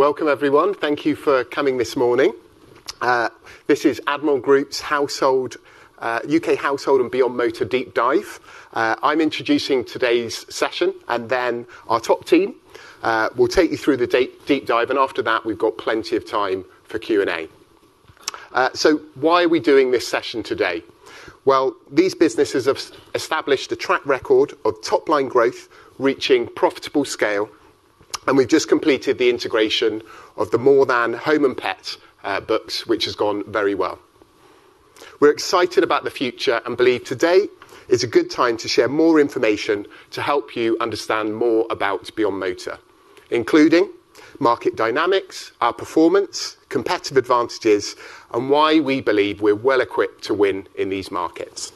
Welcome, everyone. Thank you for coming this morning. This is Admiral Group's UK Household and Beyond Motor Deep Dive. I'm introducing today's session, and then our top team will take you through the deep dive. After that, we've got plenty of time for Q&A. Why are we doing this session today? These businesses have established a track record of top-line growth, reaching profitable scale, and we've just completed the integration of the More Than Home and Pets books, which has gone very well. We're excited about the future and believe today is a good time to share more information to help you understand more about Beyond Motor, including market dynamics, our performance, competitive advantages, and why we believe we're well equipped to win in these markets.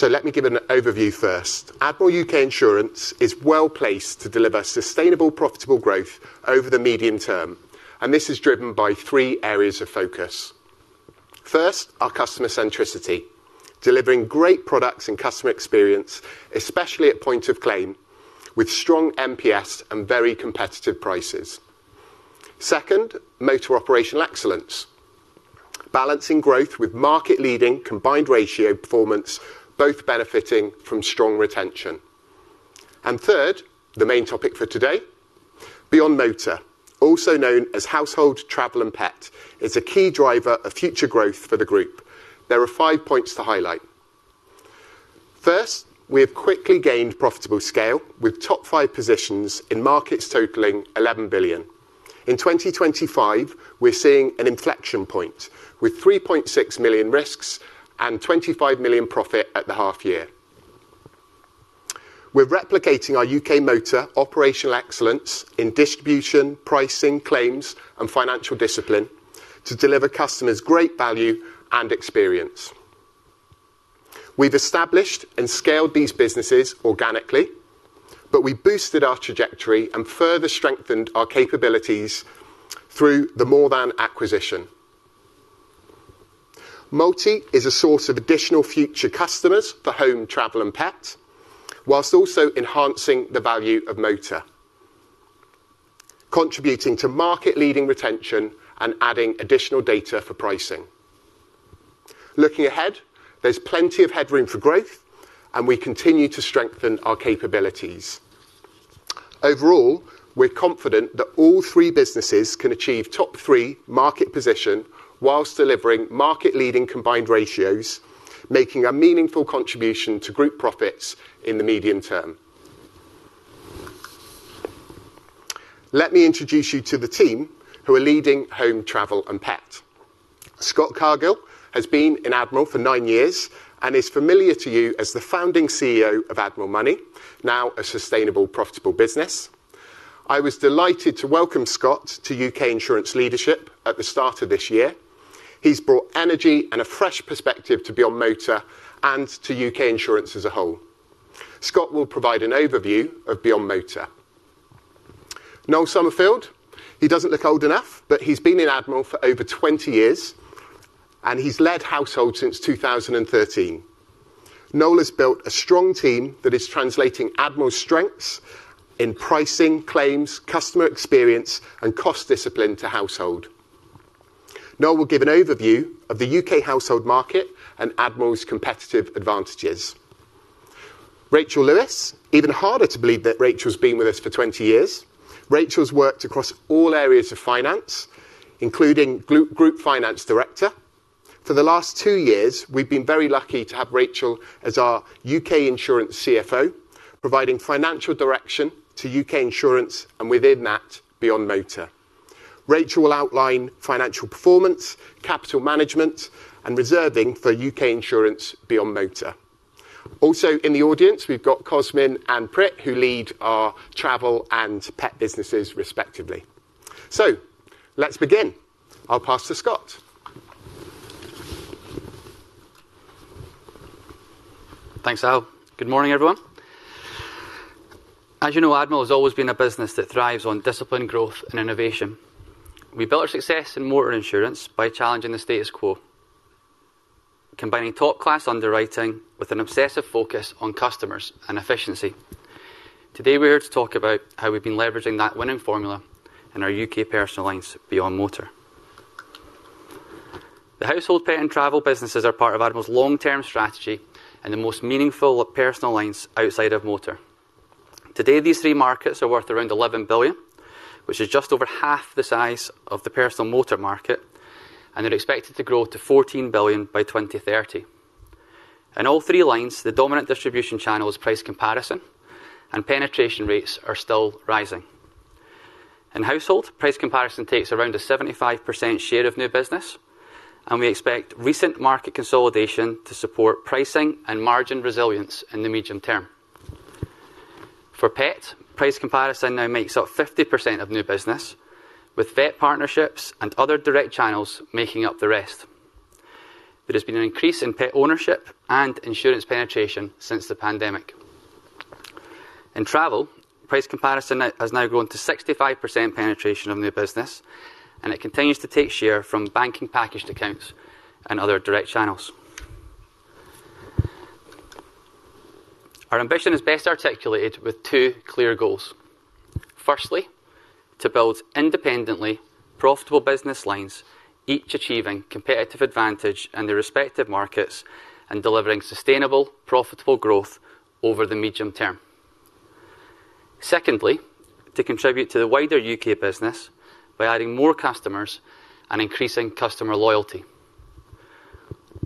Let me give an overview first. Admiral UK Insurance is well placed to deliver sustainable, profitable growth over the medium term, and this is driven by three areas of focus. First, our customer centricity, delivering great products and customer experience, especially at point of claim, with strong NPS and very competitive prices. Second, motor operational excellence, balancing growth with market-leading combined ratio performance, both benefiting from strong retention. Third, the main topic for today, Beyond Motor, also known as Household, Travel, and Pet, is a key driver of future growth for the group. There are five points to highlight. First, we have quickly gained profitable scale with top five positions in markets totaling 11 billion. In 2025, we are seeing an inflection point with 3.6 million risks and 25 million profit at the half year. We are replicating our UK Motor operational excellence in distribution, pricing, claims, and financial discipline to deliver customers great value and experience. We've established and scaled these businesses organically, but we boosted our trajectory and further strengthened our capabilities through the More Than acquisition. Multi is a source of additional future customers for home, travel, and pets, whilst also enhancing the value of motor, contributing to market-leading retention and adding additional data for pricing. Looking ahead, there's plenty of headroom for growth, and we continue to strengthen our capabilities. Overall, we're confident that all three businesses can achieve top three market position whilst delivering market-leading combined ratios, making a meaningful contribution to group profits in the medium term. Let me introduce you to the team who are leading home, travel, and pet. Scott Cargill has been in Admiral for nine years and is familiar to you as the founding CEO of Admiral Money, now a sustainable, profitable business. I was delighted to welcome Scott to U.K. Insurance leadership at the start of this year. He's brought energy and a fresh perspective to Beyond Motor and to U.K. Insurance as a whole. Scott will provide an overview of Beyond Motor. Noel Summerfield, he does not look old enough, but he's been in Admiral for over 20 years, and he's led Household since 2013. Noel has built a strong team that is translating Admiral's strengths in pricing, claims, customer experience, and cost discipline to Household. Noel will give an overview of the U.K. Household market and Admiral's competitive advantages. Rachel Lewis, even harder to believe that Rachel's been with us for 20 years. Rachel's worked across all areas of finance, including Group Finance Director. For the last two years, we've been very lucky to have Rachel as our UK Insurance CFO, providing financial direction to UK Insurance and within that, Beyond Motor. Rachel will outline financial performance, capital management, and reserving for UK Insurance Beyond Motor. Also, in the audience, we've got Cosmin and Prit, who lead our travel and pet businesses, respectively. Let's begin. I'll pass to Scott. Thanks, Al. Good morning, everyone. As you know, Admiral has always been a business that thrives on discipline, growth, and innovation. We built our success in motor insurance by challenging the status quo, combining top-class underwriting with an obsessive focus on customers and efficiency. Today, we're here to talk about how we've been leveraging that winning formula in our U.K. personal lines, Beyond Motor. The Household, Pet, and Travel businesses are part of Admiral's long-term strategy and the most meaningful personal lines outside of motor. Today, these three markets are worth around $11 billion, which is just over half the size of the personal motor market, and they're expected to grow to $14 billion by 2030. In all three lines, the dominant distribution channel is price comparison, and penetration rates are still rising. In Household, price comparison takes around a 75% share of new business, and we expect recent market consolidation to support pricing and margin resilience in the medium term. For pet, price comparison now makes up 50% of new business, with vet partnerships and other direct channels making up the rest. There has been an increase in pet ownership and insurance penetration since the pandemic. In travel, price comparison has now grown to 65% penetration of new business, and it continues to take share from banking packaged accounts and other direct channels. Our ambition is best articulated with two clear goals. Firstly, to build independently profitable business lines, each achieving competitive advantage in their respective markets and delivering sustainable, profitable growth over the medium term. Secondly, to contribute to the wider U.K. business by adding more customers and increasing customer loyalty.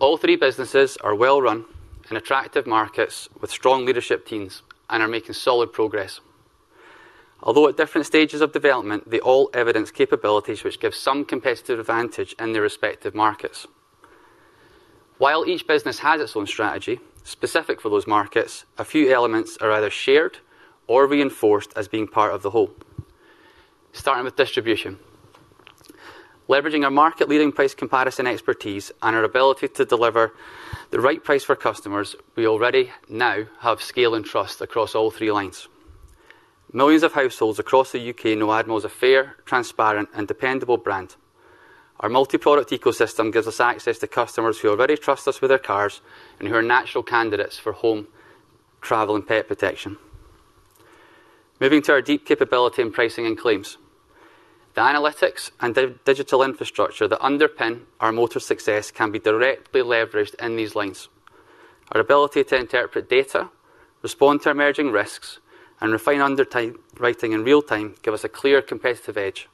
All three businesses are well run in attractive markets with strong leadership teams and are making solid progress. Although at different stages of development, they all evidence capabilities which give some competitive advantage in their respective markets. While each business has its own strategy specific for those markets, a few elements are either shared or reinforced as being part of the whole. Starting with distribution, leveraging our market-leading price comparison expertise and our ability to deliver the right price for customers, we already now have scale and trust across all three lines. Millions of households across the U.K. know Admiral's a fair, transparent, and dependable brand. Our multi-product ecosystem gives us access to customers who already trust us with their cars and who are natural candidates for home, travel, and pet protection. Moving to our deep capability in pricing and claims, the analytics and digital infrastructure that underpin our motor success can be directly leveraged in these lines. Our ability to interpret data, respond to emerging risks, and refine underwriting in real time gives us a clear competitive edge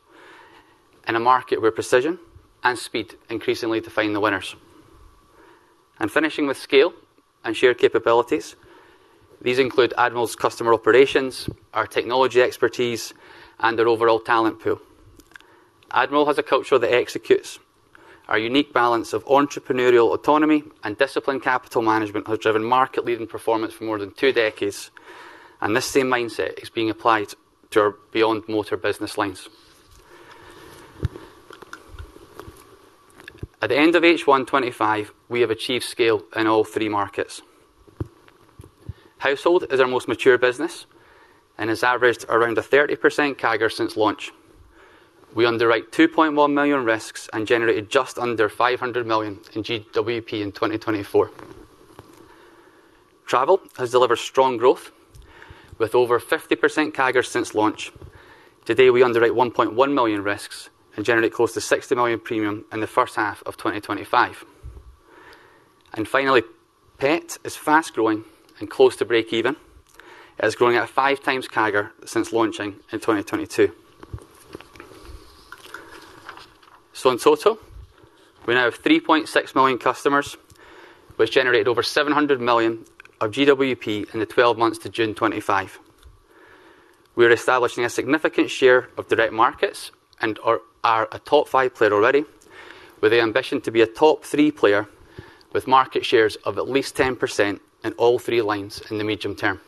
in a market where precision and speed increasingly define the winners. Finishing with scale and shared capabilities, these include Admiral's customer operations, our technology expertise, and our overall talent pool. Admiral has a culture that executes. Our unique balance of entrepreneurial autonomy and disciplined capital management has driven market-leading performance for more than two decades, and this same mindset is being applied to our Beyond Motor business lines. At the end of H1 2025, we have achieved scale in all three markets. Household is our most mature business and has averaged around a 30% CAGR since launch. We underwrite 2.1 million risks and generated just under 500 million in GWP in 2024. Travel has delivered strong growth with over a 50% CAGR since launch. Today, we underwrite 1.1 million risks and generate close to 60 million premium in the first half of 2025. Finally, pet is fast growing and close to break-even. It is growing at a five-times CAGR since launching in 2022. In total, we now have 3.6 million customers, which generated over 700 million of GWP in the 12 months to June 2025. We are establishing a significant share of direct markets and are a top five player already, with the ambition to be a top three player with market shares of at least 10% in all three lines in the medium term.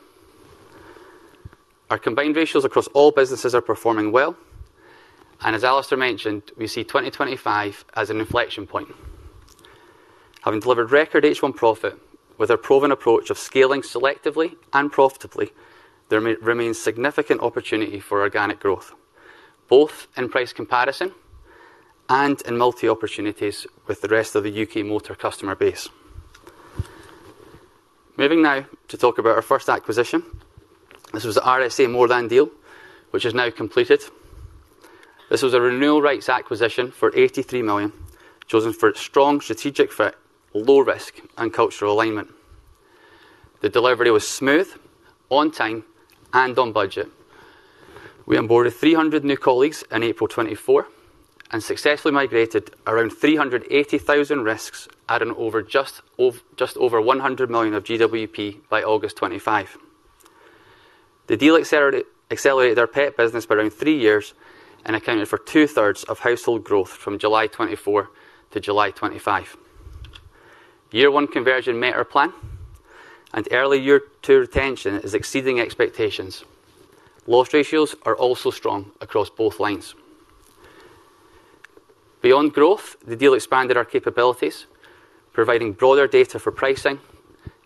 Our combined ratios across all businesses are performing well, and as Alistair mentioned, we see 2025 as an inflection point. Having delivered record H1 profit with our proven approach of scaling selectively and profitably, there remains significant opportunity for organic growth, both in price comparison and in multi-opportunities with the rest of the U.K. Motor customer base. Moving now to talk about our first acquisition. This was the RSA More Than deal, which is now completed. This was a renewal rights acquisition for 83 million, chosen for its strong strategic fit, low risk, and cultural alignment. The delivery was smooth, on time, and on budget. We onboarded 300 new colleagues in April 2024 and successfully migrated around 380,000 risks, adding just over 100 million of GWP by August 2025. The deal accelerated their pet business by around three years and accounted for two-thirds of household growth from July 2024 to July 2025. Year one conversion met our plan, and early year two retention is exceeding expectations. Loss ratios are also strong across both lines. Beyond growth, the deal expanded our capabilities, providing broader data for pricing,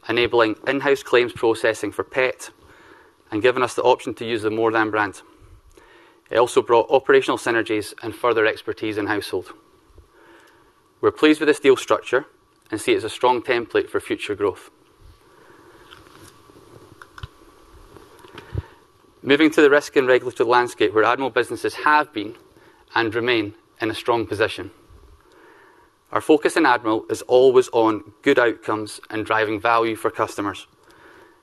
enabling in-house claims processing for pet, and giving us the option to use the More Than brand. It also brought operational synergies and further expertise in household. We're pleased with this deal structure and see it as a strong template for future growth. Moving to the risk and regulatory landscape where Admiral businesses have been and remain in a strong position. Our focus in Admiral is always on good outcomes and driving value for customers.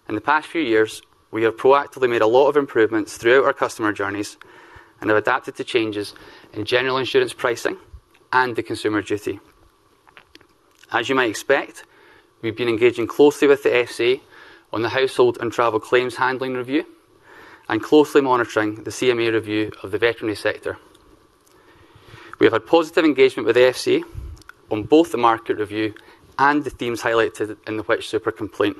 In the past few years, we have proactively made a lot of improvements throughout our customer journeys and have adapted to changes in general insurance pricing and the consumer duty. As you might expect, we've been engaging closely with the FCA on the household and travel claims handling review and closely monitoring the CMA review of the veterinary sector. We have had positive engagement with the FCA on both the market review and the themes highlighted in the Which Super complaint.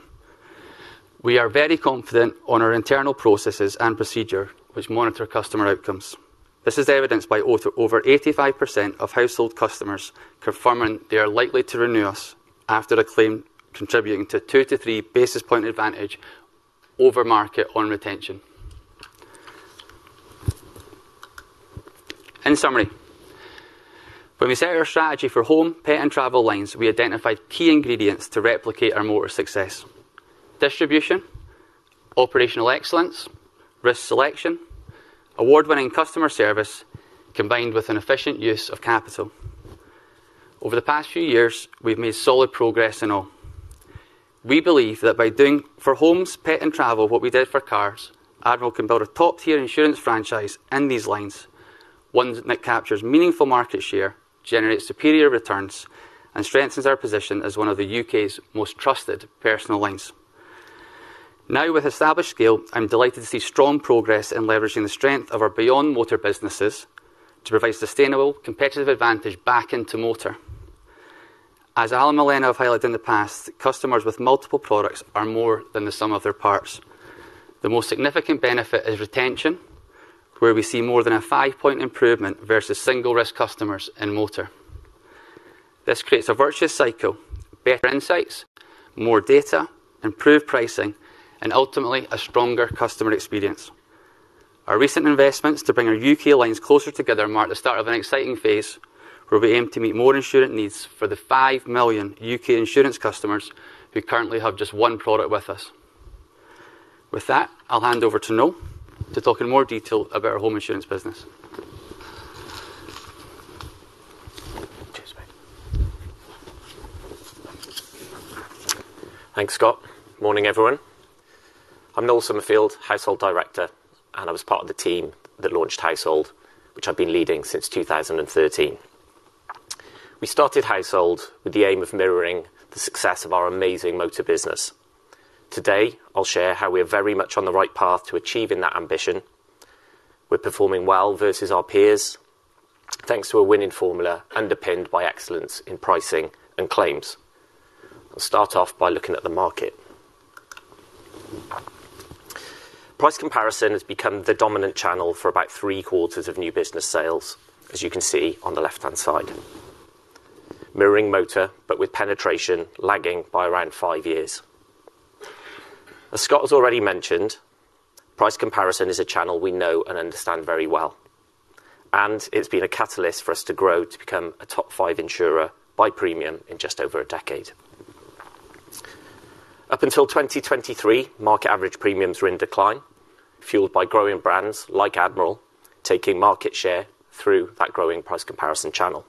We are very confident on our internal processes and procedure, which monitor customer outcomes. This is evidenced by over 85% of household customers confirming they are likely to renew us after a claim, contributing to a two to three basis point advantage over market on retention. In summary, when we set our strategy for home, pet, and travel lines, we identified key ingredients to replicate our motor success: distribution, operational excellence, risk selection, award-winning customer service, combined with an efficient use of capital. Over the past few years, we've made solid progress in all. We believe that by doing for homes, pet, and travel what we did for cars, Admiral can build a top-tier insurance franchise in these lines, one that captures meaningful market share, generates superior returns, and strengthens our position as one of the U.K.'s most trusted personal lines. Now, with established scale, I'm delighted to see strong progress in leveraging the strength of our Beyond Motor businesses to provide sustainable competitive advantage back into motor. As Al and Noel have highlighted in the past, customers with multiple products are more than the sum of their parts. The most significant benefit is retention, where we see more than a five-point improvement versus single risk customers in motor. This creates a virtuous cycle: better insights, more data, improved pricing, and ultimately a stronger customer experience. Our recent investments to bring our U.K. lines closer together mark the start of an exciting phase where we aim to meet more insurance needs for the 5 million U.K. insurance customers who currently have just one product with us. With that, I'll hand over to Noel to talk in more detail about our home insurance business. Thanks, Scott. Morning, everyone. I'm Noel Sommerfeld, Household Director, and I was part of the team that launched Household, which I've been leading since 2013. We started Household with the aim of mirroring the success of our amazing motor business. Today, I'll share how we are very much on the right path to achieving that ambition. We're performing well versus our peers thanks to a winning formula underpinned by excellence in pricing and claims. I'll start off by looking at the market. Price comparison has become the dominant channel for about three-quarters of new business sales, as you can see on the left-hand side, mirroring motor, but with penetration lagging by around five years. As Scott has already mentioned, price comparison is a channel we know and understand very well, and it's been a catalyst for us to grow to become a top five insurer by premium in just over a decade. Up until 2023, market average premiums were in decline, fueled by growing brands like Admiral taking market share through that growing price comparison channel.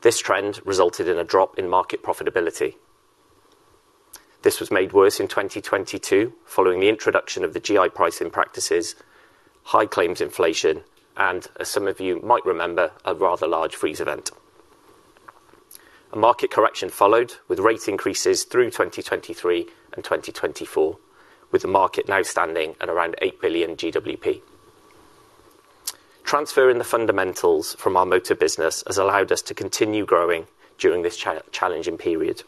This trend resulted in a drop in market profitability. This was made worse in 2022 following the introduction of the GI pricing practices, high claims inflation, and, as some of you might remember, a rather large freeze event. A market correction followed with rate increases through 2023 and 2024, with the market now standing at around 8 billion GWP. Transferring the fundamentals from our motor business has allowed us to continue growing during this challenging period.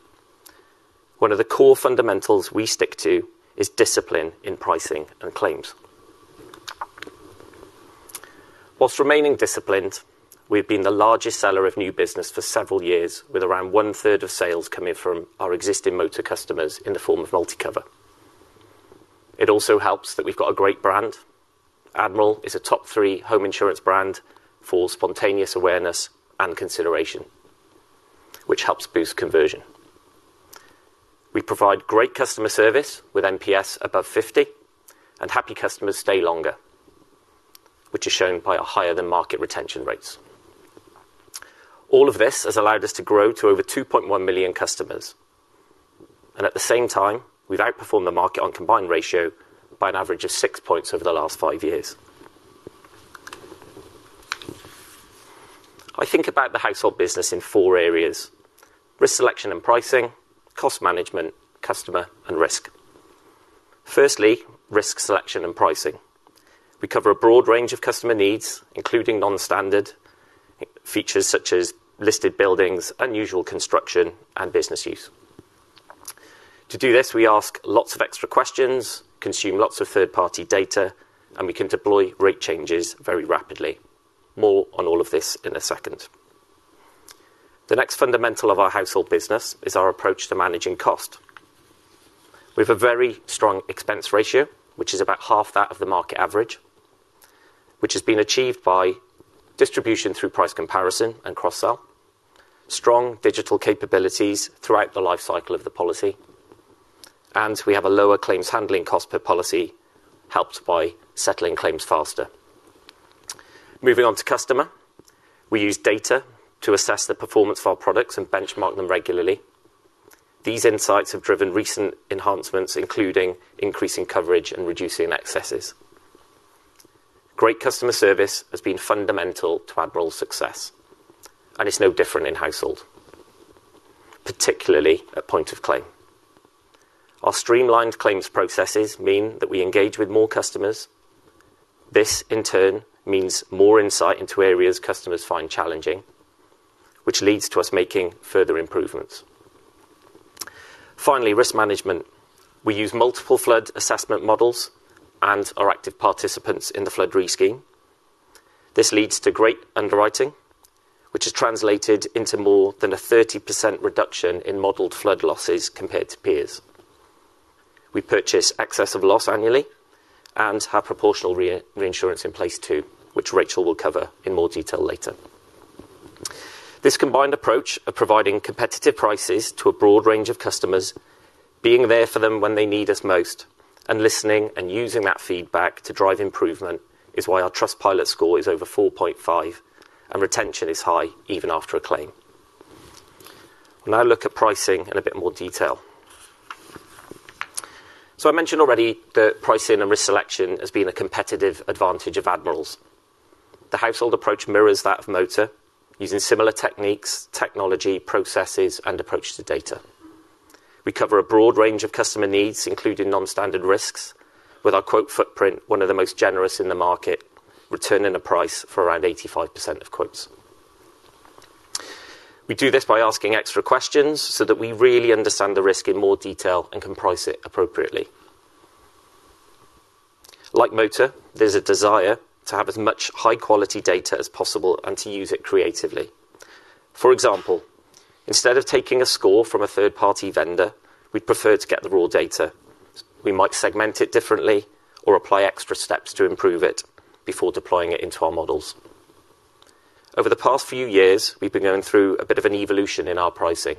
One of the core fundamentals we stick to is discipline in pricing and claims. Whilst remaining disciplined, we've been the largest seller of new business for several years, with around one-third of sales coming from our existing motor customers in the form of multi-cover. It also helps that we've got a great brand. Admiral is a top three home insurance brand for spontaneous awareness and consideration, which helps boost conversion. We provide great customer service with NPS above 50%, and happy customers stay longer, which is shown by our higher-than-market retention rates. All of this has allowed us to grow to over 2.1 million customers, and at the same time, we've outperformed the market on combined ratio by an average of six percentage points over the last five years. I think about the household business in four areas: risk selection and pricing, cost management, customer, and risk. Firstly, risk selection and pricing. We cover a broad range of customer needs, including non-standard features such as listed buildings, unusual construction, and business use. To do this, we ask lots of extra questions, consume lots of third-party data, and we can deploy rate changes very rapidly. More on all of this in a second. The next fundamental of our household business is our approach to managing cost. We have a very strong expense ratio, which is about half that of the market average, which has been achieved by distribution through price comparison and cross-sell, strong digital capabilities throughout the life cycle of the policy, and we have a lower claims handling cost per policy helped by settling claims faster. Moving on to customer, we use data to assess the performance of our products and benchmark them regularly. These insights have driven recent enhancements, including increasing coverage and reducing excesses. Great customer service has been fundamental to Admiral's success, and it's no different in household, particularly at point of claim. Our streamlined claims processes mean that we engage with more customers. This, in turn, means more insight into areas customers find challenging, which leads to us making further improvements. Finally, risk management. We use multiple flood assessment models and are active participants in the Flood Re scheme. This leads to great underwriting, which is translated into more than a 30% reduction in modeled flood losses compared to peers. We purchase Excess of Loss annually and have proportional reinsurance in place too, which Rachel will cover in more detail later. This combined approach of providing competitive prices to a broad range of customers, being there for them when they need us most, and listening and using that feedback to drive improvement is why our Trustpilot score is over 4.5, and retention is high even after a claim. We will now look at pricing in a bit more detail. I mentioned already that pricing and risk selection has been a competitive advantage of Admiral's. The household approach mirrors that of motor, using similar techniques, technology, processes, and approach to data. We cover a broad range of customer needs, including non-standard risks, with our quote footprint one of the most generous in the market, returning a price for around 85% of quotes. We do this by asking extra questions so that we really understand the risk in more detail and can price it appropriately. Like motor, there's a desire to have as much high-quality data as possible and to use it creatively. For example, instead of taking a score from a third-party vendor, we'd prefer to get the raw data. We might segment it differently or apply extra steps to improve it before deploying it into our models. Over the past few years, we've been going through a bit of an evolution in our pricing.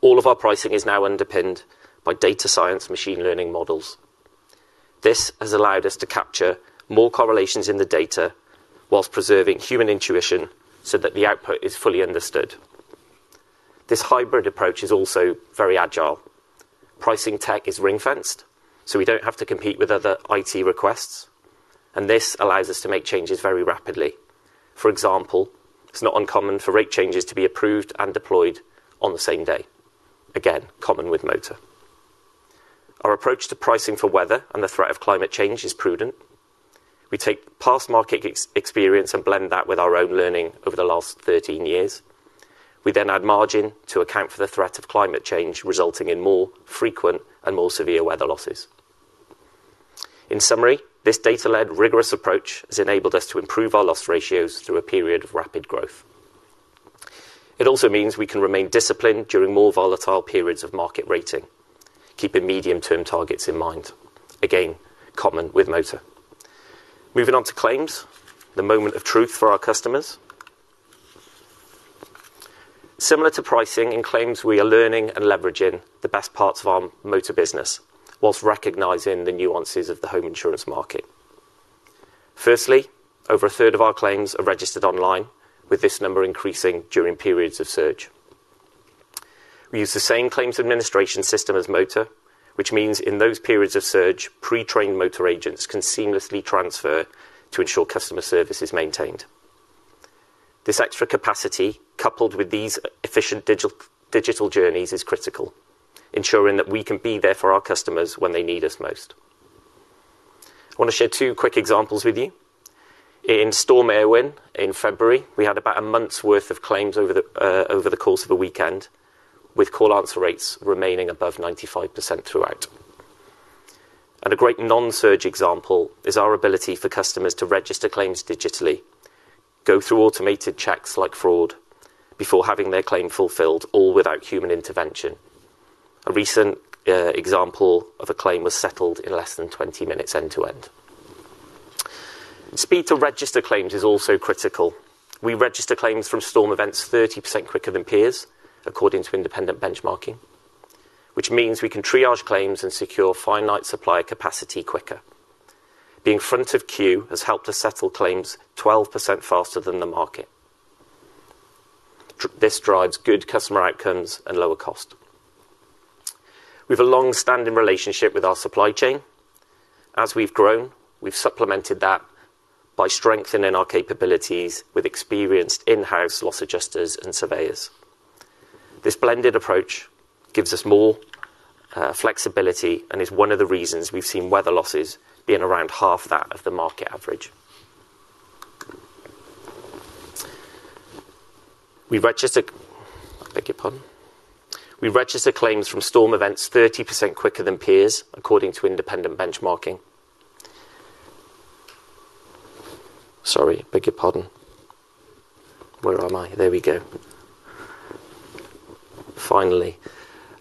All of our pricing is now underpinned by data science machine learning models. This has allowed us to capture more correlations in the data whilst preserving human intuition so that the output is fully understood. This hybrid approach is also very agile. Pricing tech is ring-fenced, so we don't have to compete with other IT requests, and this allows us to make changes very rapidly. For example, it's not uncommon for rate changes to be approved and deployed on the same day. Again, common with motor. Our approach to pricing for weather and the threat of climate change is prudent. We take past market experience and blend that with our own learning over the last 13 years. We then add margin to account for the threat of climate change resulting in more frequent and more severe weather losses. In summary, this data-led rigorous approach has enabled us to improve our loss ratios through a period of rapid growth. It also means we can remain disciplined during more volatile periods of market rating, keeping medium-term targets in mind. Again, common with motor. Moving on to claims, the moment of truth for our customers. Similar to pricing and claims, we are learning and leveraging the best parts of our motor business whilst recognizing the nuances of the home insurance market. Firstly, over a third of our claims are registered online, with this number increasing during periods of surge. We use the same claims administration system as motor, which means in those periods of surge, pre-trained motor agents can seamlessly transfer to ensure customer service is maintained. This extra capacity, coupled with these efficient digital journeys, is critical, ensuring that we can be there for our customers when they need us most. I want to share two quick examples with you. In Storm Arwen, in February, we had about a month's worth of claims over the course of a weekend, with call-answer rates remaining above 95% throughout. A great non-surge example is our ability for customers to register claims digitally, go through automated checks like fraud before having their claim fulfilled, all without human intervention. A recent example of a claim was settled in less than 20 minutes end-to-end. Speed to register claims is also critical. We register claims from storm events 30% quicker than peers, according to independent benchmarking, which means we can triage claims and secure finite supply capacity quicker. Being front of queue has helped us settle claims 12% faster than the market. This drives good customer outcomes and lower cost. We have a long-standing relationship with our supply chain. As we've grown, we've supplemented that by strengthening our capabilities with experienced in-house loss adjusters and surveyors. This blended approach gives us more flexibility and is one of the reasons we've seen weather losses being around half that of the market average. We register claims from storm events 30% quicker than peers, according to independent benchmarking. Sorry, bigger pardon. Where am I? There we go. Finally,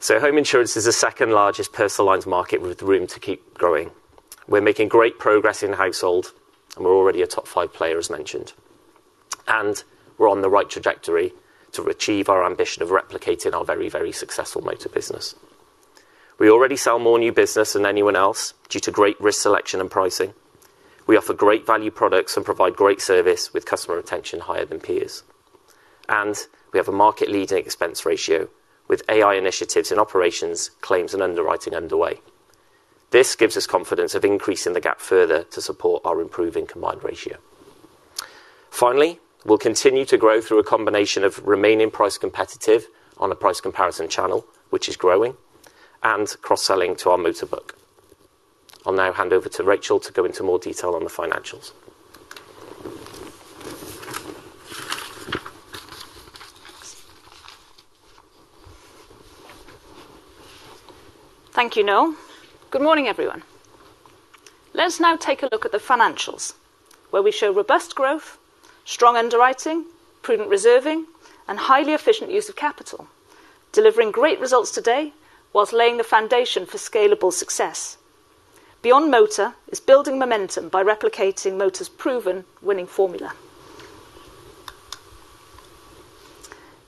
home insurance is the second largest personal lines market with room to keep growing. We're making great progress in household, and we're already a top five player, as mentioned. We're on the right trajectory to achieve our ambition of replicating our very, very successful motor business. We already sell more new business than anyone else due to great risk selection and pricing. We offer great value products and provide great service with customer retention higher than peers. We have a market-leading expense ratio with AI initiatives in operations, claims, and underwriting underway. This gives us confidence of increasing the gap further to support our improving combined ratio. Finally, we'll continue to grow through a combination of remaining price competitive on a price comparison channel, which is growing, and cross-selling to our motorbook. I'll now hand over to Rachel to go into more detail on the financials. Thank you, Noel. Good morning, everyone. Let's now take a look at the financials, where we show robust growth, strong underwriting, prudent reserving, and highly efficient use of capital, delivering great results today whilst laying the foundation for scalable success. Beyond Motor is building momentum by replicating Motor's proven winning formula.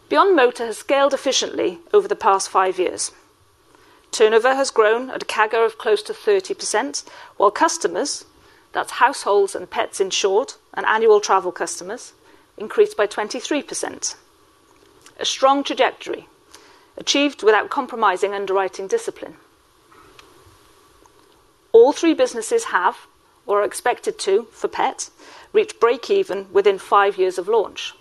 Beyond Motor has scaled efficiently over the past five years. Turnover has grown at a CAGR of close to 30%, while customers, that's households and pets insured and annual travel customers, increased by 23%. A strong trajectory achieved without compromising underwriting discipline. All three businesses have, or are expected to, for pets, reach break-even within five years of launch.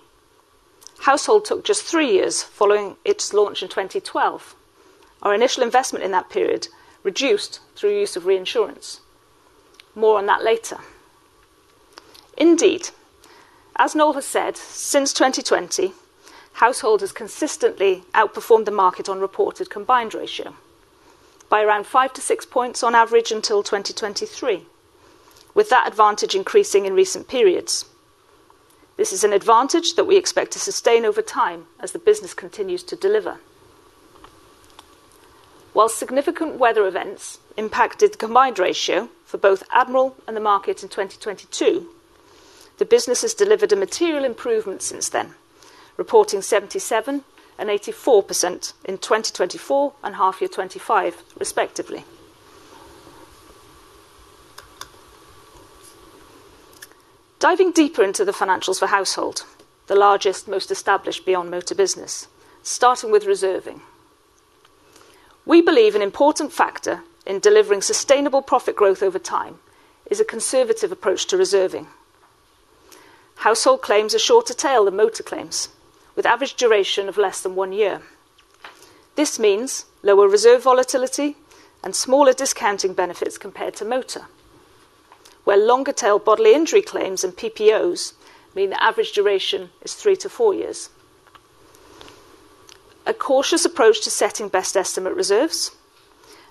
Household took just three years following its launch in 2012. Our initial investment in that period reduced through use of reinsurance. More on that later. Indeed, as Noel has said, since 2020, households have consistently outperformed the market on reported combined ratio by around five to six points on average until 2023, with that advantage increasing in recent periods. This is an advantage that we expect to sustain over time as the business continues to deliver. Whilst significant weather events impacted the combined ratio for both Admiral and the market in 2022, the business has delivered a material improvement since then, reporting 77% and 84% in 2024 and half year 2025, respectively. Diving deeper into the financials for household, the largest, most established Beyond Motor business, starting with reserving. We believe an important factor in delivering sustainable profit growth over time is a conservative approach to reserving. Household claims are shorter tail than motor claims, with average duration of less than one year. This means lower reserve volatility and smaller discounting benefits compared to motor, where longer tail bodily injury claims and PPOs mean the average duration is three to four years. A cautious approach to setting best estimate reserves,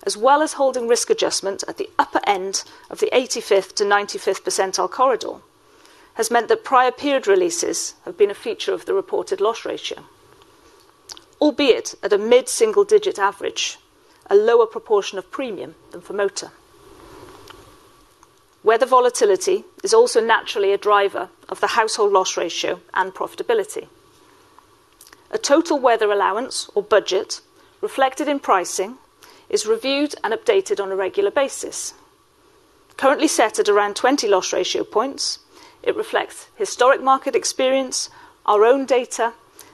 as well as holding risk adjustment at the upper end of the 85th-95th percentile corridor, has meant that prior period releases have been a feature of the reported loss ratio, albeit at a mid-single-digit average, a lower proportion of premium than for motor. Weather volatility is also naturally a driver of the household loss ratio and profitability. A total weather allowance or budget reflected in pricing is reviewed and updated on a regular basis. Currently set at around 20 loss ratio points, it reflects historic market experience, our own data,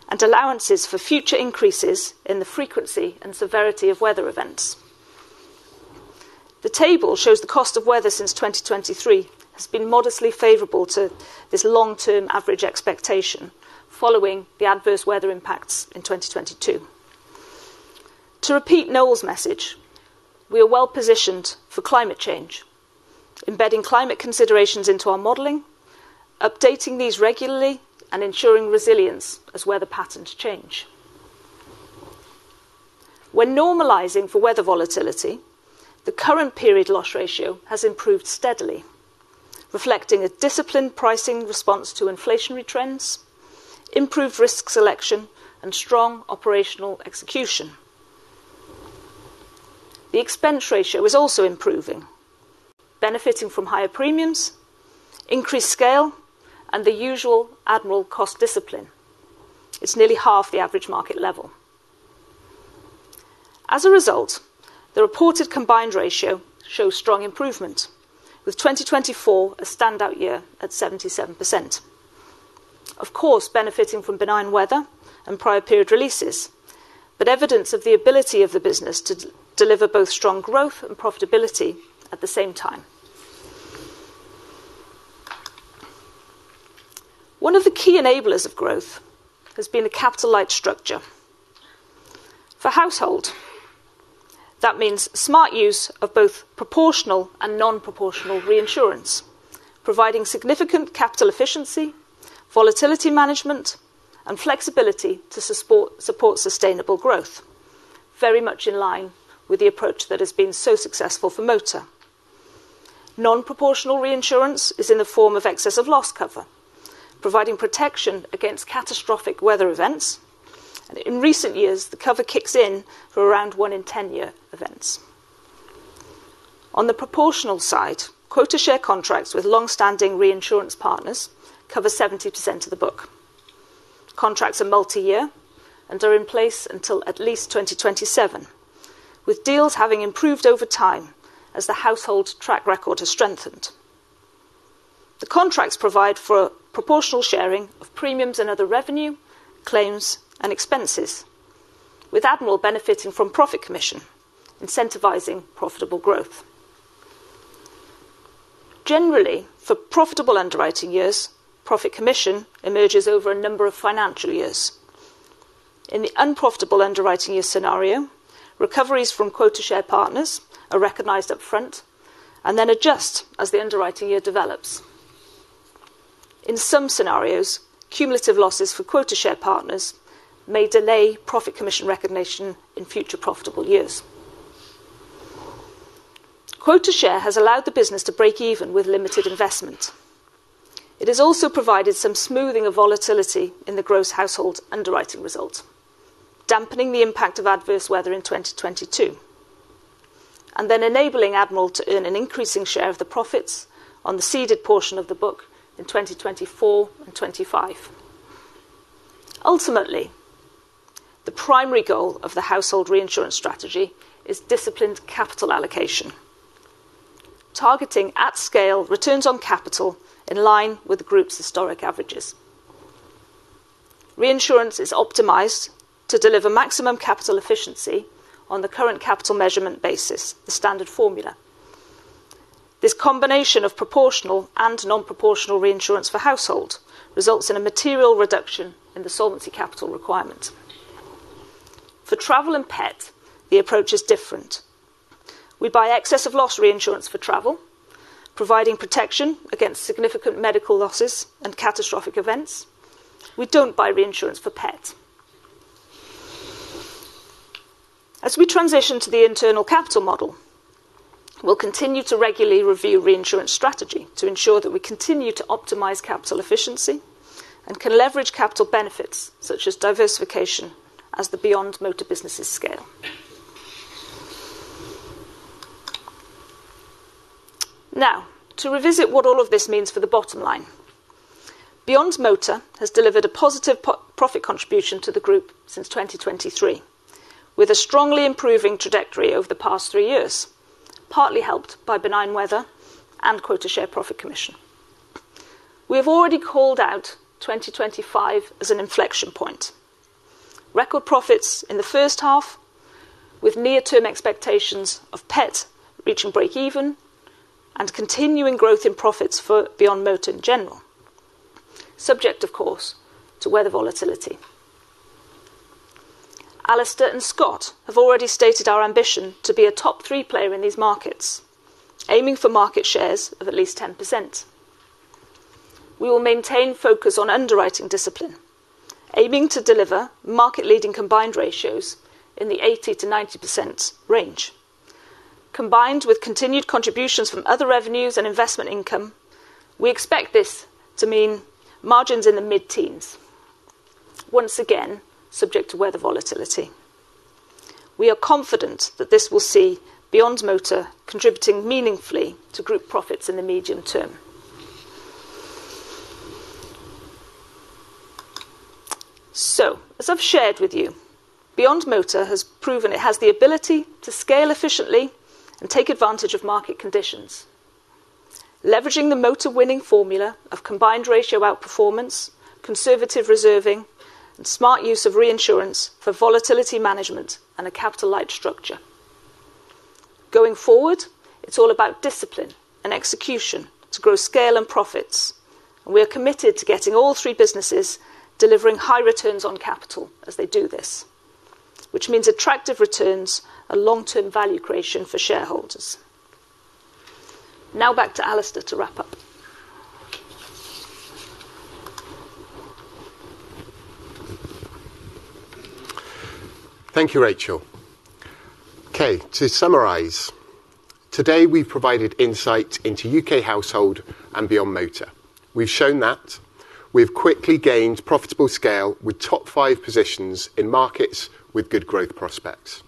and allowances for future increases in the frequency and severity of weather events. The table shows the cost of weather since 2023 has been modestly favorable to this long-term average expectation following the adverse weather impacts in 2022. To repeat Noel's message, we are well positioned for climate change, embedding climate considerations into our modeling, updating these regularly, and ensuring resilience as weather patterns change. When normalizing for weather volatility, the current period loss ratio has improved steadily, reflecting a disciplined pricing response to inflationary trends, improved risk selection, and strong operational execution. The expense ratio is also improving, benefiting from higher premiums, increased scale, and the usual Admiral cost discipline. It is nearly half the average market level. As a result, the reported combined ratio shows strong improvement, with 2024 a standout year at 77%. Of course, benefiting from benign weather and prior period releases, but evidence of the ability of the business to deliver both strong growth and profitability at the same time. One of the key enablers of growth has been a capital-light structure. For household, that means smart use of both proportional and non-proportional reinsurance, providing significant capital efficiency, volatility management, and flexibility to support sustainable growth, very much in line with the approach that has been so successful for motor. Non-proportional reinsurance is in the form of excess of loss cover, providing protection against catastrophic weather events. In recent years, the cover kicks in for around one in ten-year events. On the proportional side, quota share contracts with long-standing reinsurance partners cover 70% of the book. Contracts are multi-year and are in place until at least 2027, with deals having improved over time as the household track record has strengthened. The contracts provide for proportional sharing of premiums and other revenue, claims, and expenses, with Admiral benefiting from profit commission, incentivizing profitable growth. Generally, for profitable underwriting years, profit commission emerges over a number of financial years. In the unprofitable underwriting year scenario, recoveries from quota share partners are recognized upfront and then adjust as the underwriting year develops. In some scenarios, cumulative losses for quota share partners may delay profit commission recognition in future profitable years. Quota share has allowed the business to break even with limited investment. It has also provided some smoothing of volatility in the gross household underwriting result, dampening the impact of adverse weather in 2022, and then enabling Admiral to earn an increasing share of the profits on the seeded portion of the book in 2024 and 2025. Ultimately, the primary goal of the household reinsurance strategy is disciplined capital allocation, targeting at scale returns on capital in line with the group's historic averages. Reinsurance is optimized to deliver maximum capital efficiency on the current capital measurement basis, the standard formula. This combination of proportional and non-proportional reinsurance for household results in a material reduction in the solvency capital requirement. For travel and pet, the approach is different. We buy excess of loss reinsurance for travel, providing protection against significant medical losses and catastrophic events. We don't buy reinsurance for pets. As we transition to the internal capital model, we'll continue to regularly review reinsurance strategy to ensure that we continue to optimize capital efficiency and can leverage capital benefits such as diversification as the Beyond Motor businesses scale. Now, to revisit what all of this means for the bottom line. Beyond Motor has delivered a positive profit contribution to the group since 2023, with a strongly improving trajectory over the past three years, partly helped by benign weather and quota share profit commission. We have already called out 2025 as an inflection point. Record profits in the first half, with near-term expectations of pet reaching break-even and continuing growth in profits for Beyond Motor in general, subject, of course, to weather volatility. Alistair and Scott have already stated our ambition to be a top three player in these markets, aiming for market shares of at least 10%. We will maintain focus on underwriting discipline, aiming to deliver market-leading combined ratios in the 80%-90% range. Combined with continued contributions from other revenues and investment income, we expect this to mean margins in the mid-teens, once again subject to weather volatility. We are confident that this will see Beyond Motor contributing meaningfully to group profits in the medium term. As I have shared with you, Beyond Motor has proven it has the ability to scale efficiently and take advantage of market conditions, leveraging the motor-winning formula of combined ratio outperformance, conservative reserving, and smart use of reinsurance for volatility management and a capital-light structure. Going forward, it is all about discipline and execution to grow scale and profits, and we are committed to getting all three businesses delivering high returns on capital as they do this, which means attractive returns and long-term value creation for shareholders. Now back to Alistair to wrap up. Thank you, Rachel. Okay, to summarize, today we've provided insight into U.K. household and Beyond Motor. We've shown that we've quickly gained profitable scale with top five positions in markets with good growth prospects.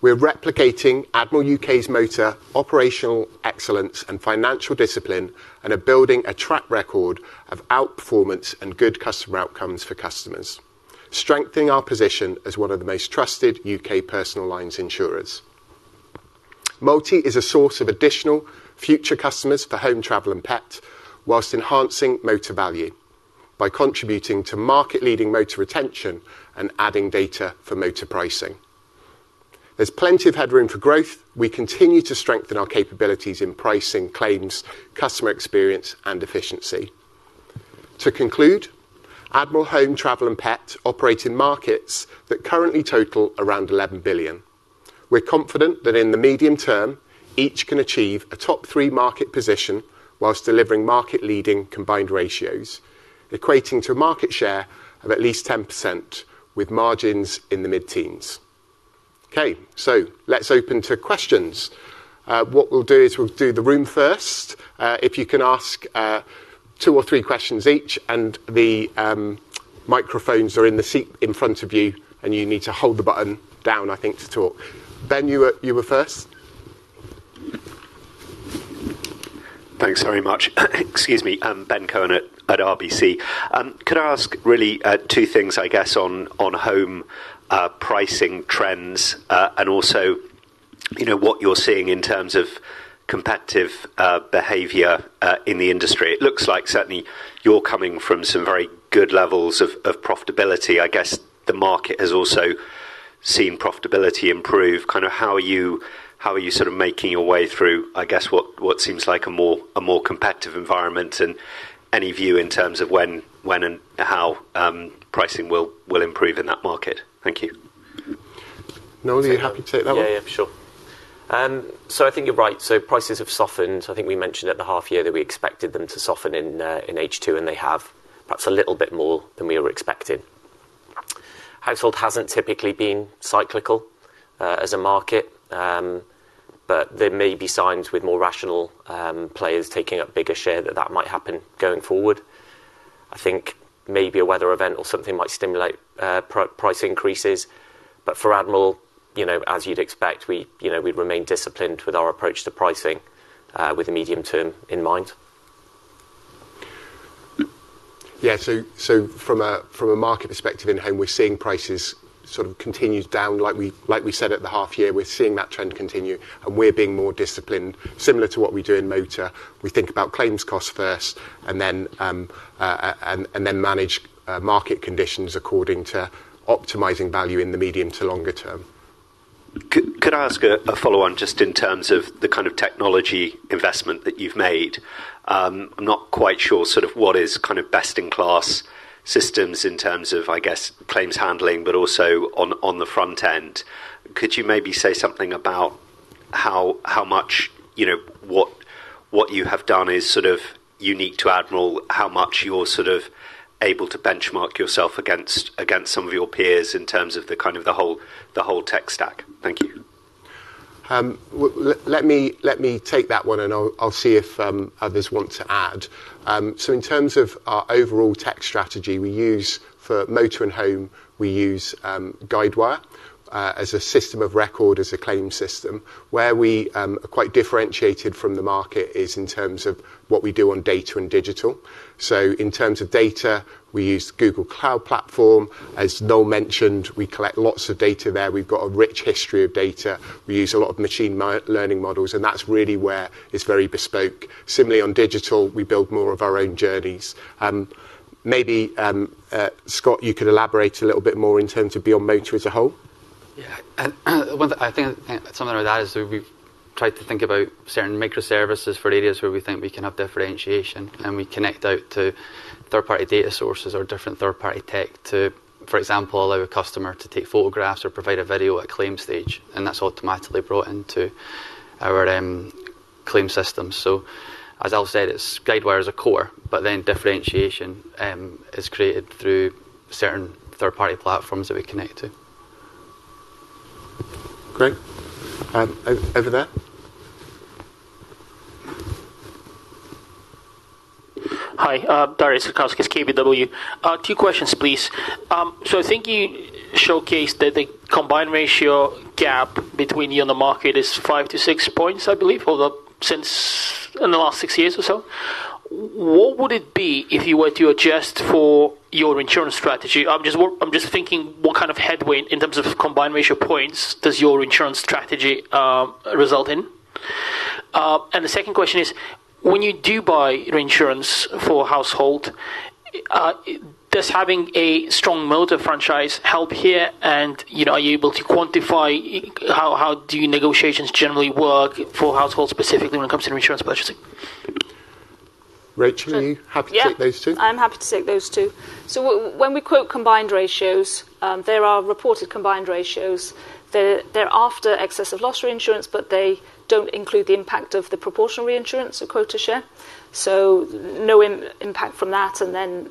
We're replicating Admiral U.K.'s motor operational excellence and financial discipline and are building a track record of outperformance and good customer outcomes for customers, strengthening our position as one of the most trusted U.K. personal lines insurers. Multi is a source of additional future customers for home, travel, and pet, whilst enhancing motor value by contributing to market-leading motor retention and adding data for motor pricing. There's plenty of headroom for growth. We continue to strengthen our capabilities in pricing, claims, customer experience, and efficiency. To conclude, Admiral Home, Travel, and Pet operate in markets that currently total around 11 billion. We're confident that in the medium term, each can achieve a top three market position whilst delivering market-leading combined ratios, equating to a market share of at least 10% with margins in the mid-teens. Okay, let's open to questions. What we'll do is we'll do the room first. If you can ask two or three questions each, and the microphones are in the seat in front of you, and you need to hold the button down, I think, to talk. Ben, you were first. Thanks very much. Excuse me, Ben Cohen at RBC. Could I ask really two things, I guess, on home pricing trends and also what you're seeing in terms of competitive behavior in the industry? It looks like certainly you're coming from some very good levels of profitability. I guess the market has also seen profitability improve. Kind of how are you sort of making your way through, I guess, what seems like a more competitive environment and any view in terms of when and how pricing will improve in that market? Thank you. Noel, are you happy to take that one? Yeah, yeah, for sure. I think you're right. Prices have softened. I think we mentioned at the half year that we expected them to soften in H2, and they have perhaps a little bit more than we were expecting. Household hasn't typically been cyclical as a market, but there may be signs with more rational players taking up bigger share that that might happen going forward. I think maybe a weather event or something might stimulate price increases. For Admiral, as you'd expect, we'd remain disciplined with our approach to pricing with a medium term in mind. Yeah, so from a market perspective in home, we're seeing prices sort of continue down. Like we said at the half year, we're seeing that trend continue, and we're being more disciplined, similar to what we do in motor. We think about claims costs first and then manage market conditions according to optimizing value in the medium to longer term. Could I ask a follow-on just in terms of the kind of technology investment that you've made? I'm not quite sure sort of what is kind of best-in-class systems in terms of, I guess, claims handling, but also on the front end. Could you maybe say something about how much what you have done is sort of unique to Admiral, how much you're sort of able to benchmark yourself against some of your peers in terms of the kind of the whole tech stack? Thank you. Let me take that one, and I'll see if others want to add. In terms of our overall tech strategy, we use for motor and home, we use Guidewire as a system of record, as a claim system. Where we are quite differentiated from the market is in terms of what we do on data and digital. In terms of data, we use Google Cloud Platform. As Noel mentioned, we collect lots of data there. We've got a rich history of data. We use a lot of machine learning models, and that's really where it's very bespoke. Similarly, on digital, we build more of our own journeys. Maybe Scott, you could elaborate a little bit more in terms of Beyond Motor as a whole? Yeah, I think something I would add is we've tried to think about certain microservices for areas where we think we can have differentiation, and we connect out to third-party data sources or different third-party tech to, for example, allow a customer to take photographs or provide a video at claim stage, and that's automatically brought into our claim system. As I've said, Guidewire is a core, but then differentiation is created through certain third-party platforms that we connect to. Great. Over there. Hi, Jakub Sakowski, KBW. Two questions, please. I think you showcased that the combined ratio gap between you and the market is five to six percentage points, I believe, since in the last six years or so. What would it be if you were to adjust for your insurance strategy? I'm just thinking what kind of headwind in terms of combined ratio points does your insurance strategy result in? The second question is, when you do buy reinsurance for household, does having a strong motor franchise help here? Are you able to quantify how do your negotiations generally work for household specifically when it comes to reinsurance purchasing? Rachel, are you happy to take those two? Yeah, I'm happy to take those two. When we quote combined ratios, there are reported combined ratios. They're after excess of loss reinsurance, but they don't include the impact of the proportional reinsurance or quota share. No impact from that.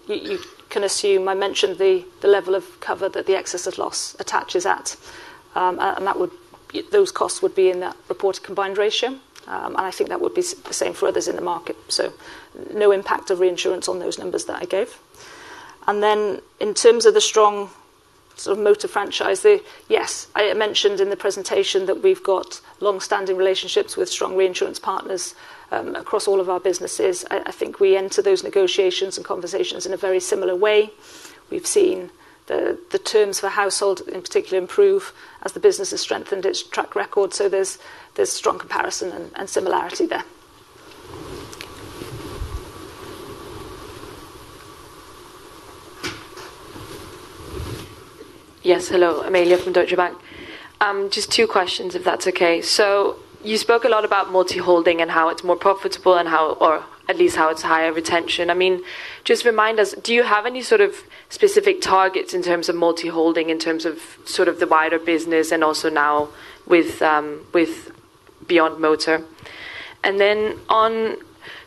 You can assume I mentioned the level of cover that the excess of loss attaches at, and those costs would be in that reported combined ratio. I think that would be the same for others in the market. No impact of reinsurance on those numbers that I gave. In terms of the strong sort of motor franchise, yes, I mentioned in the presentation that we've got long-standing relationships with strong reinsurance partners across all of our businesses. I think we enter those negotiations and conversations in a very similar way. We've seen the terms for household, in particular, improve as the business has strengthened its track record. There is strong comparison and similarity there. Yes, hello. Amelia from Deutsche Bank. Just two questions, if that's okay. You spoke a lot about multi-holding and how it's more profitable and how, or at least how it's higher retention. I mean, just remind us, do you have any sort of specific targets in terms of multi-holding, in terms of sort of the wider business and also now with Beyond Motor? On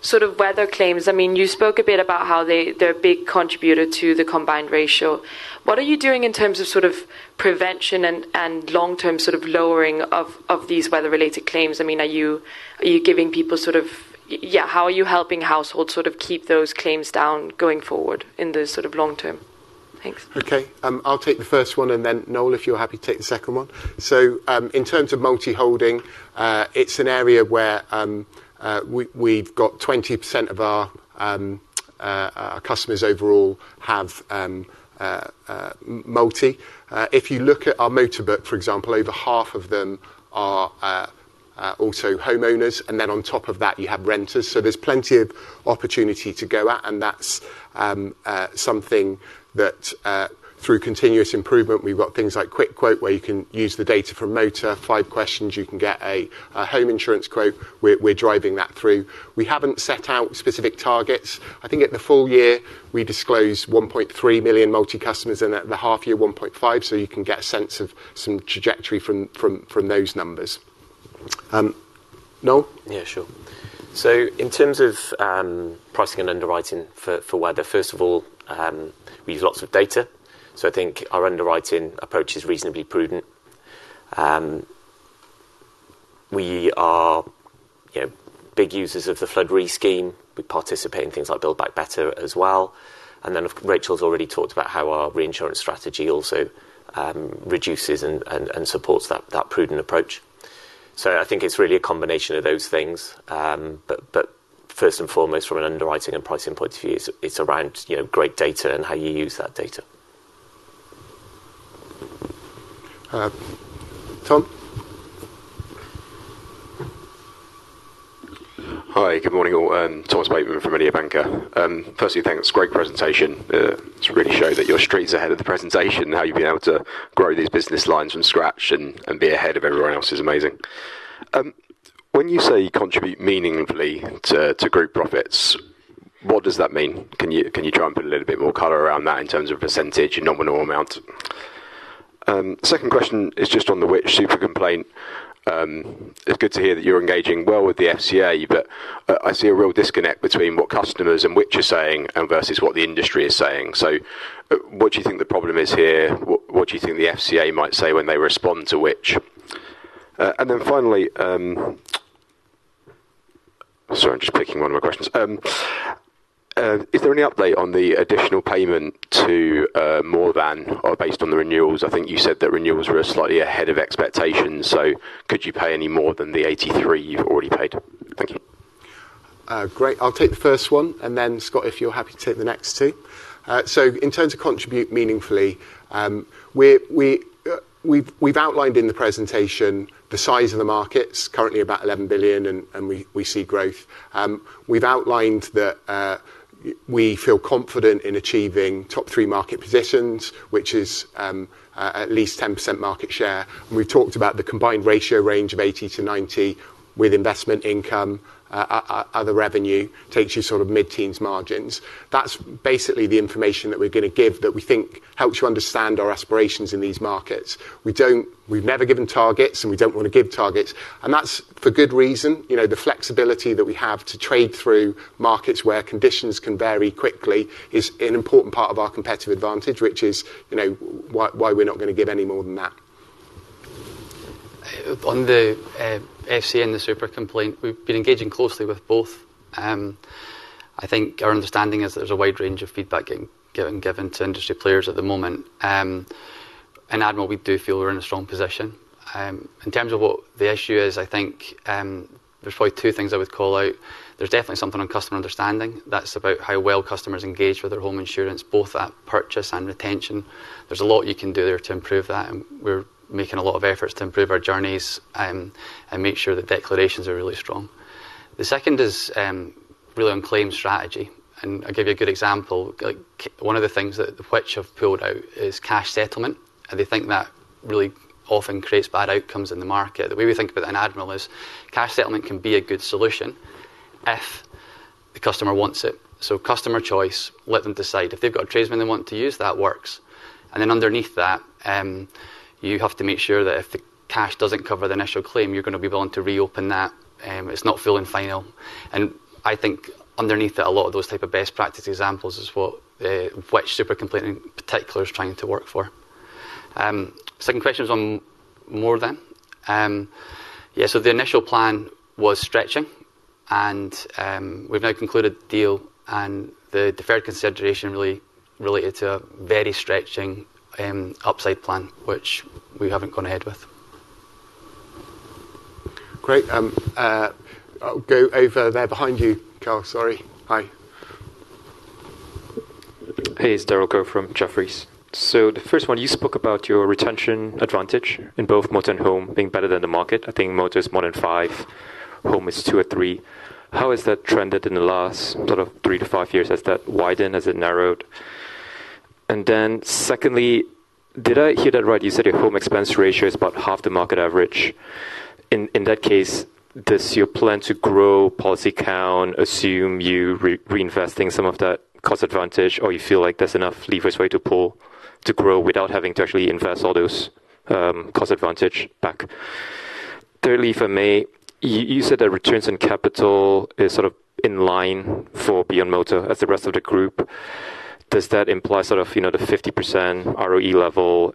sort of weather claims, I mean, you spoke a bit about how they're a big contributor to the combined ratio. What are you doing in terms of sort of prevention and long-term sort of lowering of these weather-related claims? I mean, are you giving people sort of, yeah, how are you helping households sort of keep those claims down going forward in the sort of long-term? Thanks. Okay, I'll take the first one, and then Noel, if you're happy to take the second one. In terms of multi-holding, it's an area where we've got 20% of our customers overall have multi. If you look at our motor book, for example, over half of them are also homeowners, and then on top of that, you have renters. There's plenty of opportunity to go at, and that's something that through continuous improvement, we've got things like Quick Quote where you can use the data from Motor. Five questions, you can get a home insurance quote. We're driving that through. We haven't set out specific targets. I think at the full year, we disclose 1.3 million multi-customers, and at the half year, 1.5 million. You can get a sense of some trajectory from those numbers. Noel? Yeah, sure. In terms of pricing and underwriting for weather, first of all, we use lots of data. I think our underwriting approach is reasonably prudent. We are big users of the Flood Re-scheme. We participate in things like Build Back Better as well. Rachel's already talked about how our reinsurance strategy also reduces and supports that prudent approach. I think it's really a combination of those things. First and foremost, from an underwriting and pricing point of view, it's around great data and how you use that data. Tom? Hi, good morning all. Thomas Bateman from Mediobanca. Firstly, thanks. Great presentation. It really showed that you're streets ahead of the presentation. How you've been able to grow these business lines from scratch and be ahead of everyone else is amazing. When you say contribute meaningfully to group profits, what does that mean? Can you try and put a little bit more color around that in terms of percentage and nominal amount? Second question is just on the Which super complaint. It's good to hear that you're engaging well with the FCA, but I see a real disconnect between what customers and Which are saying versus what the industry is saying. What do you think the problem is here? What do you think the FCA might say when they respond to Which? Finally, sorry, I'm just picking one of my questions. Is there any update on the additional payment to More Than or based on the renewals? I think you said that renewals were slightly ahead of expectations. Could you pay any more than the 83 million you've already paid? Thank you. Great. I'll take the first one. Scott, if you're happy to take the next two. In terms of contribute meaningfully, we've outlined in the presentation the size of the markets, currently about 11 billion, and we see growth. We've outlined that we feel confident in achieving top three market positions, which is at least 10% market share. We've talked about the combined ratio range of 80-90% with investment income, other revenue, takes you sort of mid-teens margins. That's basically the information that we're going to give that we think helps you understand our aspirations in these markets. We've never given targets, and we don't want to give targets. That's for good reason. The flexibility that we have to trade through markets where conditions can vary quickly is an important part of our competitive advantage, which is why we're not going to give any more than that. On the FCA and the super complaint, we've been engaging closely with both. I think our understanding is that there's a wide range of feedback being given to industry players at the moment. In Admiral, we do feel we're in a strong position. In terms of what the issue is, I think there's probably two things I would call out. There's definitely something on customer understanding. That's about how well customers engage with their home insurance, both at purchase and retention. There's a lot you can do there to improve that. We're making a lot of efforts to improve our journeys and make sure that declarations are really strong. The second is really on claim strategy. I'll give you a good example. One of the things that Which have pulled out is cash settlement. They think that really often creates bad outcomes in the market. The way we think about it in Admiral is cash settlement can be a good solution if the customer wants it. Customer choice, let them decide. If they've got a tradesman they want to use, that works. Underneath that, you have to make sure that if the cash doesn't cover the initial claim, you're going to be willing to reopen that. It's not feeling final. I think underneath that, a lot of those type of best practice examples is what Which? super complaint in particular is trying to work for. Second question was on More Than. The initial plan was stretching, and we've now concluded the deal. The deferred consideration really related to a very stretching upside plan, which we haven't gone ahead with. Great. I'll go over there behind you, Carl. Sorry. Hi. Hey, it's David Zervos from Jefferies. The first one, you spoke about your retention advantage in both motor and home being better than the market. I think motor is more than five, home is two or three. How has that trended in the last sort of three to five years? Has that widened? Has it narrowed? Secondly, did I hear that right? You said your home expense ratio is about half the market average. In that case, does your plan to grow policy count assume you're reinvesting some of that cost advantage, or you feel like there's enough levers for you to pull to grow without having to actually invest all those cost advantage back? Thirdly, for me, you said that returns on capital is sort of in line for Beyond Motor as the rest of the group. Does that imply sort of the 50% ROE level?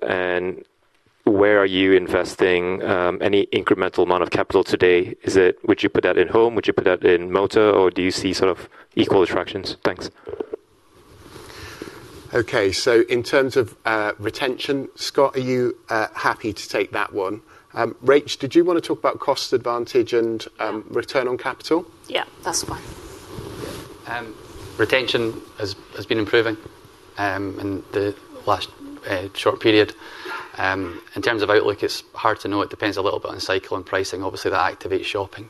Where are you investing any incremental amount of capital today? Would you put that in home? Would you put that in motor? Or do you see sort of equal attractions? Thanks. Okay, so in terms of retention, Scott, are you happy to take that one? Rachel, did you want to talk about cost advantage and return on capital? Yeah, that's fine. Retention has been improving in the last short period. In terms of outlook, it's hard to know. It depends a little bit on cycle and pricing. Obviously, that activates shopping.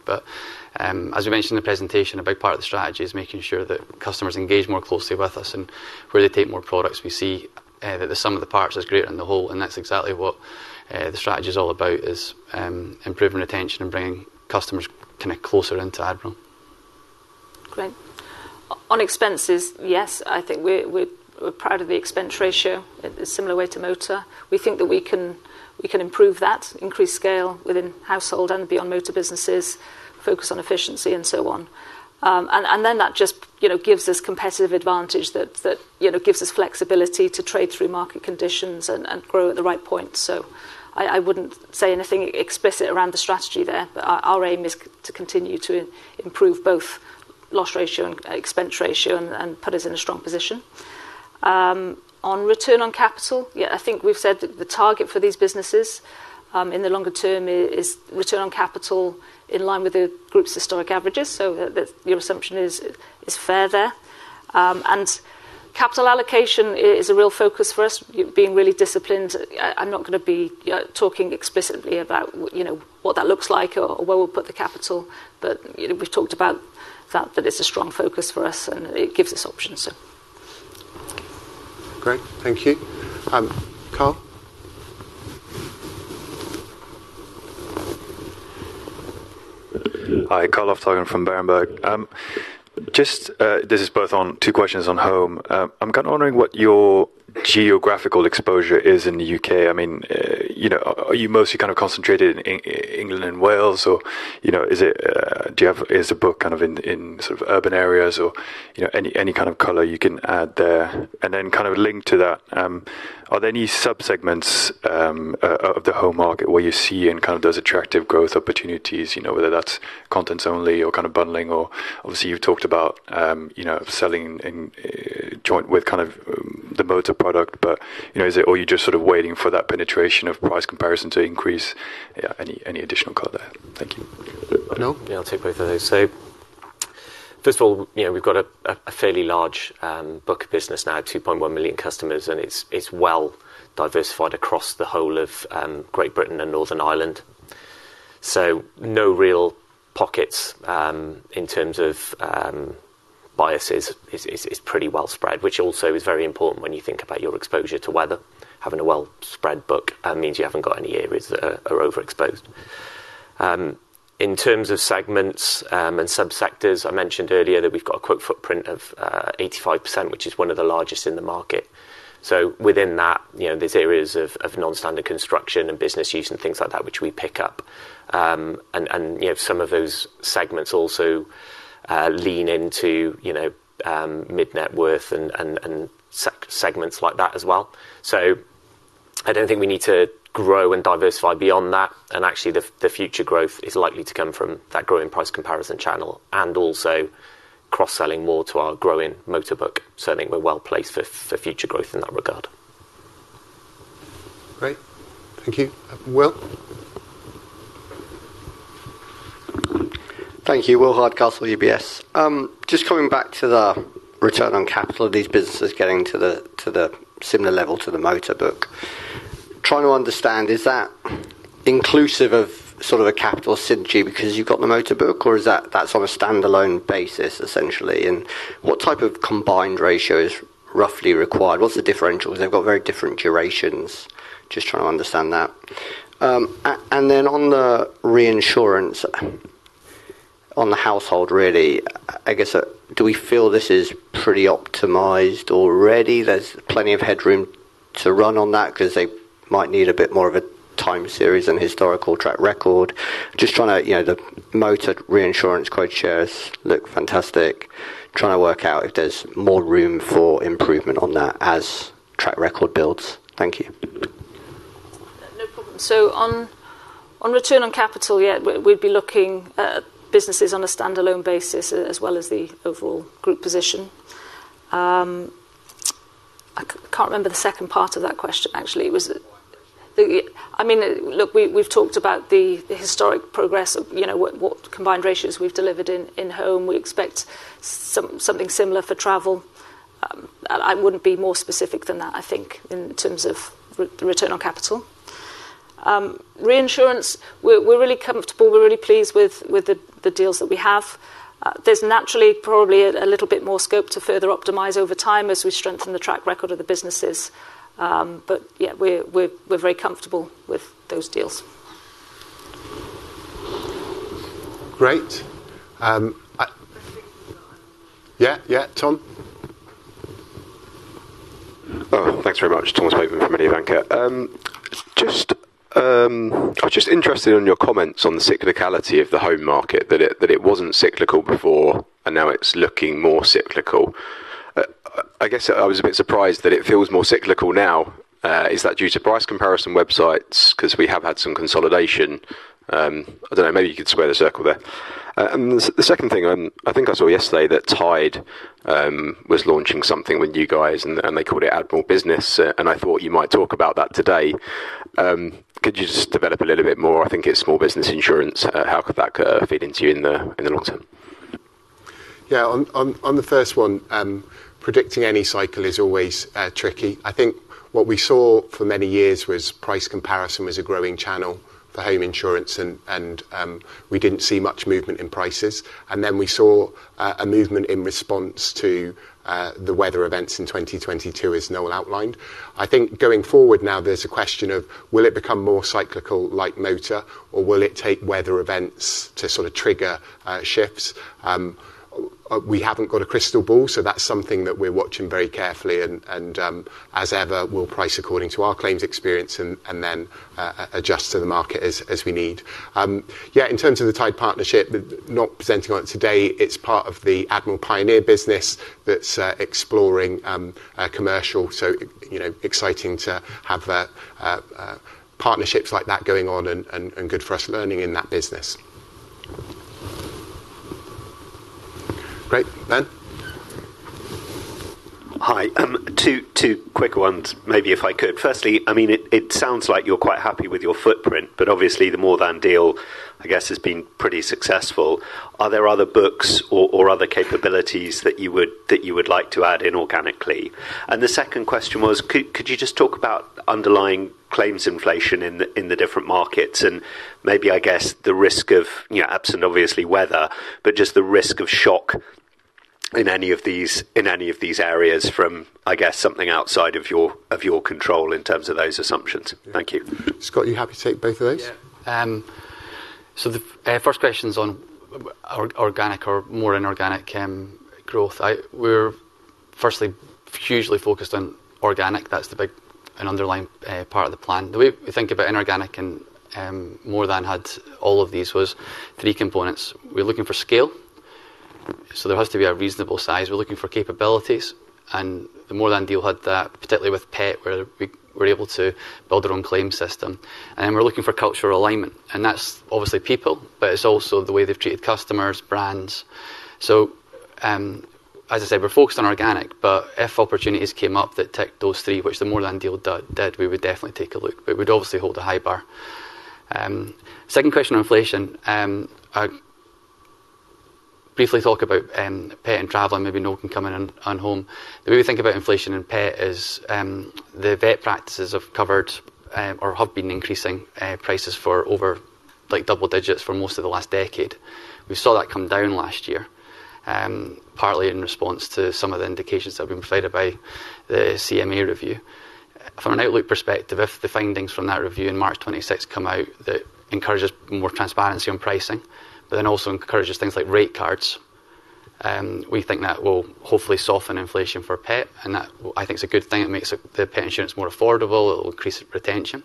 As we mentioned in the presentation, a big part of the strategy is making sure that customers engage more closely with us. Where they take more products, we see that the sum of the parts is greater than the whole. That is exactly what the strategy is all about, improving retention and bringing customers kind of closer into Admiral. Great. On expenses, yes, I think we're proud of the expense ratio in a similar way to motor. We think that we can improve that, increase scale within household and beyond motor businesses, focus on efficiency, and so on. That just gives us competitive advantage that gives us flexibility to trade through market conditions and grow at the right point. I would not say anything explicit around the strategy there, but our aim is to continue to improve both loss ratio and expense ratio and put us in a strong position. On return on capital, yeah, I think we've said that the target for these businesses in the longer term is return on capital in line with the group's historic averages. Your assumption is fair there. Capital allocation is a real focus for us, being really disciplined. I'm not going to be talking explicitly about what that looks like or where we'll put the capital. We have talked about that, that it's a strong focus for us, and it gives us options. Great. Thank you. Carl? Hi, Carl Lofthagen from Berenberg. This is both on two questions on home. I'm kind of wondering what your geographical exposure is in the U.K. I mean, are you mostly kind of concentrated in England and Wales, or is it a book kind of in sort of urban areas or any kind of color you can add there? Then kind of linked to that, are there any subsegments of the home market where you see in kind of those attractive growth opportunities, whether that's contents only or kind of bundling? Obviously, you've talked about selling in joint with kind of the motor product, but is it all you're just sort of waiting for that penetration of price comparison to increase? Any additional color there? Thank you. Noel? yeah, I'll take both of those. First of all, we've got a fairly large book business now, 2.1 million customers, and it's well diversified across the whole of Great Britain and Northern Ireland. No real pockets in terms of biases, it's pretty well spread, which also is very important when you think about your exposure to weather. Having a well spread book means you haven't got any areas that are overexposed. In terms of segments and subsectors, I mentioned earlier that we've got a quote footprint of 85%, which is one of the largest in the market. Within that, there's areas of non-standard construction and business use and things like that, which we pick up. Some of those segments also lean into mid-net worth and segments like that as well. I don't think we need to grow and diversify beyond that. Actually, the future growth is likely to come from that growing price comparison channel and also cross-selling more to our growing motor book. I think we're well placed for future growth in that regard. Great. Thank you. Will? Thank you. Will Hardcastle, UBS. Just coming back to the return on capital of these businesses getting to the similar level to the motor book, trying to understand, is that inclusive of sort of a capital synergy because you've got the motor book, or is that on a standalone basis, essentially? What type of combined ratio is roughly required? What's the differential? Because they've got very different durations, just trying to understand that. On the reinsurance, on the household, really, I guess, do we feel this is pretty optimized already? There's plenty of headroom to run on that because they might need a bit more of a time series and historical track record. Just trying to, the motor reinsurance quota shares look fantastic. Trying to work out if there's more room for improvement on that as track record builds. Thank you. No problem. On return on capital, yeah, we'd be looking at businesses on a standalone basis as well as the overall group position. I can't remember the second part of that question, actually. I mean, look, we've talked about the historic progress of what combined ratios we've delivered in home. We expect something similar for travel. I wouldn't be more specific than that, I think, in terms of return on capital. Reinsurance, we're really comfortable. We're really pleased with the deals that we have. There's naturally probably a little bit more scope to further optimize over time as we strengthen the track record of the businesses. Yeah, we're very comfortable with those deals. Great. Yeah, yeah. Tom? Thanks very much. Thomas Bateman from Mediobanca. I was just interested in your comments on the cyclicality of the home market, that it was not cyclical before and now it is looking more cyclical. I guess I was a bit surprised that it feels more cyclical now. Is that due to price comparison websites? Because we have had some consolidation. I do not know, maybe you could square the circle there. The second thing, I think I saw yesterday that Tide was launching something with you guys, and they called it Admiral Business. I thought you might talk about that today. Could you just develop a little bit more? I think it is small business insurance. How could that feed into you in the long term? Yeah, on the first one, predicting any cycle is always tricky. I think what we saw for many years was price comparison was a growing channel for home insurance, and we did not see much movement in prices. We saw a movement in response to the weather events in 2022, as Noel outlined. I think going forward now, there is a question of, will it become more cyclical like motor, or will it take weather events to sort of trigger shifts? We have not got a crystal ball, so that is something that we are watching very carefully. As ever, we will price according to our claims experience and then adjust to the market as we need. Yeah, in terms of the Tide partnership, not presenting on it today. It is part of the Admiral Pioneer business that is exploring commercial. Exciting to have partnerships like that going on and good for us learning in that business. Great. Ben? Hi. Two quick ones, maybe if I could. Firstly, I mean, it sounds like you're quite happy with your footprint, but obviously the More Than deal, I guess, has been pretty successful. Are there other books or other capabilities that you would like to add in organically? The second question was, could you just talk about underlying claims inflation in the different markets? Maybe, I guess, the risk of absent, obviously, weather, but just the risk of shock in any of these areas from, I guess, something outside of your control in terms of those assumptions? Thank you. Scott, are you happy to take both of those? Yeah. The first question is on organic or more inorganic growth. We're firstly hugely focused on organic. That's the big and underlying part of the plan. The way we think about inorganic and More Than had all of these was three components. We're looking for scale, so there has to be a reasonable size. We're looking for capabilities, and the More Than deal had that, particularly with Pet, where we were able to build our own claim system. We're looking for cultural alignment, and that's obviously people, but it's also the way they've treated customers, brands. As I said, we're focused on organic, but if opportunities came up that ticked those three, which the More Than deal did, we would definitely take a look. We'd obviously hold a high bar. Second question on inflation. Briefly talk about Pet and Travel and maybe Noel can come in on home. The way we think about inflation in Pet is the vet practices have covered or have been increasing prices for over double digits for most of the last decade. We saw that come down last year, partly in response to some of the indications that have been provided by the CMA review. From an outlook perspective, if the findings from that review in March 2026 come out, that encourages more transparency on pricing, but then also encourages things like rate cards. We think that will hopefully soften inflation for Pet. I think it's a good thing. It makes the pet insurance more affordable. It'll increase retention.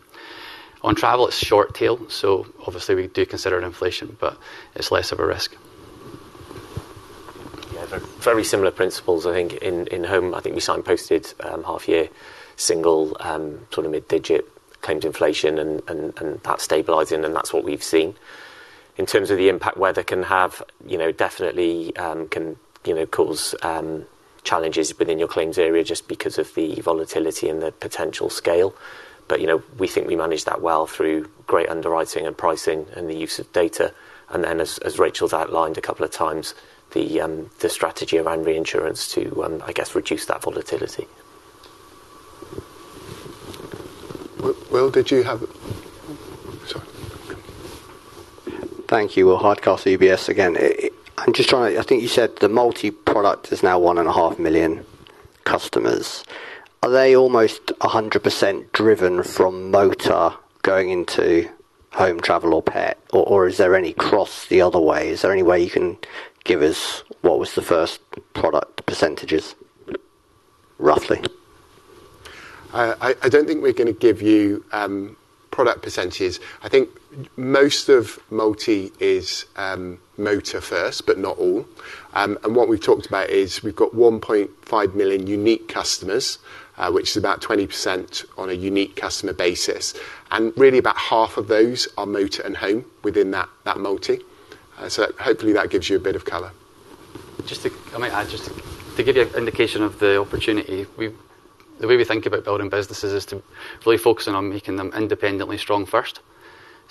On travel, it's short tail. Obviously, we do consider inflation, but it's less of a risk. Yeah, very similar principles, I think, in home. I think we signposted half-year, single to an amid-digit claims inflation, and that's stabilizing, and that's what we've seen. In terms of the impact weather can have, definitely can cause challenges within your claims area just because of the volatility and the potential scale. We think we managed that well through great underwriting and pricing and the use of data. As Rachel's outlined a couple of times, the strategy around reinsurance to, I guess, reduce that volatility. Will, did you have, sorry. Thank you. Will Hart, UBS again. I'm just trying to, I think you said the multi-product is now 1.5 million customers. Are they almost 100% driven from motor going into home, travel, or pet? Or is there any cross the other way? Is there any way you can give us what was the first product percentages, roughly? I don't think we're going to give you product percentages. I think most of multi is motor first, but not all. What we've talked about is we've got 1.5 million unique customers, which is about 20% on a unique customer basis. Really about half of those are motor and home within that multi. Hopefully that gives you a bit of color. Just to give you an indication of the opportunity, the way we think about building businesses is to really focus on making them independently strong first.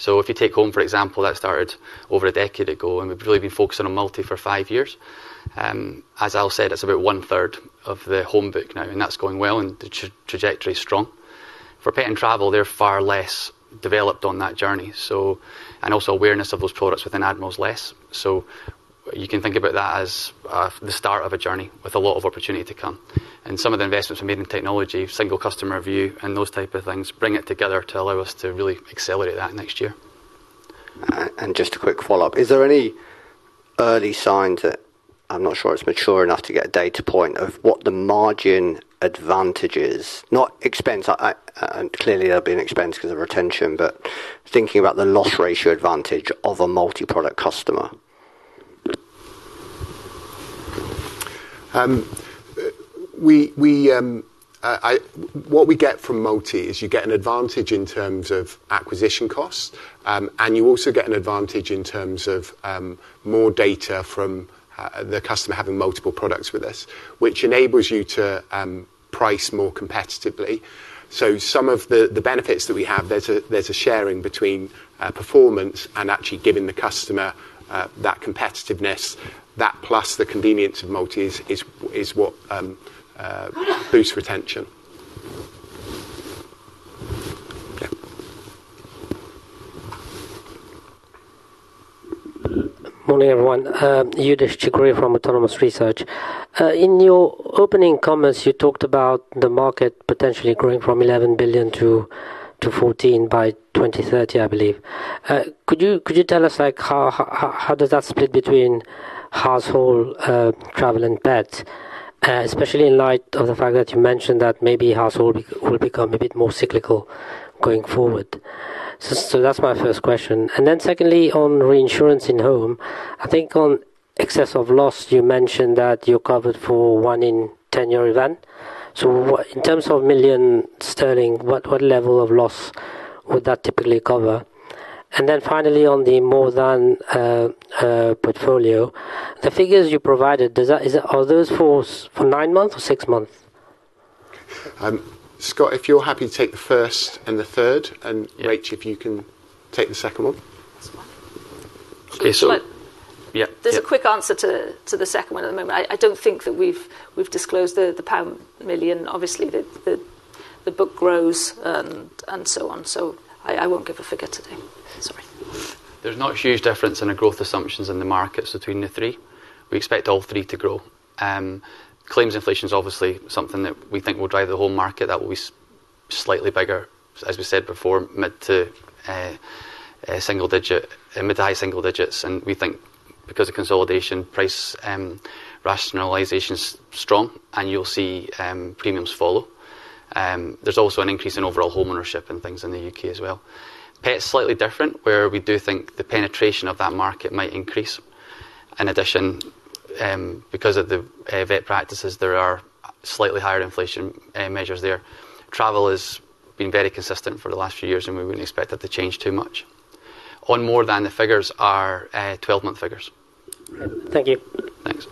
If you take home, for example, that started over a decade ago, and we've really been focusing on multi for five years. As Al said, it's about one-third of the home book now, and that's going well, and the trajectory is strong. For pet and travel, they're far less developed on that journey. Also, awareness of those products within Admiral is less. You can think about that as the start of a journey with a lot of opportunity to come. Some of the investments we made in technology, single customer review, and those type of things bring it together to allow us to really accelerate that next year. Just a quick follow-up. Is there any early signs that I'm not sure it's mature enough to get a data point of what the margin advantage is? Not expense. Clearly, there'll be an expense because of retention, but thinking about the loss ratio advantage of a multi-product customer. What we get from multi is you get an advantage in terms of acquisition costs, and you also get an advantage in terms of more data from the customer having multiple products with us, which enables you to price more competitively. Some of the benefits that we have, there's a sharing between performance and actually giving the customer that competitiveness, that plus the convenience of multi is what boosts retention. Yeah. Morning, everyone. Youdish Chicooree from Autonomous Research. In your opening comments, you talked about the market potentially growing from 11 billion-14 billion by 2030, I believe. Could you tell us how does that split between household, travel, and pet, especially in light of the fact that you mentioned that maybe household will become a bit more cyclical going forward? That's my first question. Secondly, on reinsurance in home, I think on excess of loss, you mentioned that you're covered for one in ten-year event. In terms of million sterling, what level of loss would that typically cover? Finally, on the More Than portfolio, the figures you provided, are those for nine months or six months? Scott, if you're happy to take the first and the third, and Rachel, if you can take the second one. That's fine. Yeah. There's a quick answer to the second one at the moment. I don't think that we've disclosed the pound million. Obviously, the book grows and so on. I won't give a figure today. Sorry. There's not a huge difference in the growth assumptions in the markets between the three. We expect all three to grow. Claims inflation is obviously something that we think will drive the whole market. That will be slightly bigger, as we said before, mid to high single digits. We think because of consolidation, price rationalization is strong, and you'll see premiums follow. There's also an increase in overall homeownership and things in the U.K. as well. Pet is slightly different, where we do think the penetration of that market might increase. In addition, because of the vet practices, there are slightly higher inflation measures there. Travel has been very consistent for the last few years, and we wouldn't expect it to change too much. On More Than, the figures are 12-month figures. Thank you. Thanks.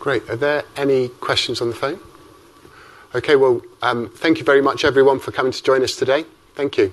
Great. Are there any questions on the phone? Okay. Thank you very much, everyone, for coming to join us today. Thank you.